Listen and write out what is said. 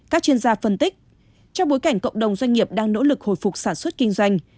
các chuyên gia phân tích trong bối cảnh cộng đồng doanh nghiệp đang nỗ lực hồi phục sản xuất kinh doanh